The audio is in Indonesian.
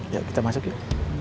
ya kita masuk yuk